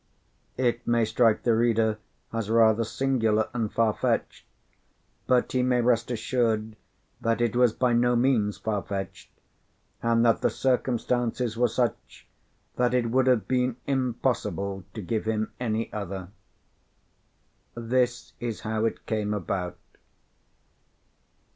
It may strike the reader as rather singular and far fetched, but he may rest assured that it was by no means far fetched, and that the circumstances were such that it would have been impossible to give him any other. This is how it came about.